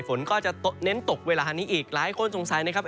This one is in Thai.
ฝนก็จะเน้นตกเวลานี้อีกหลายคนสงสัยนะครับ